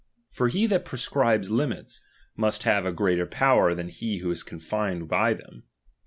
For he that prescribes limits, must have a greater power than he who is confined by them.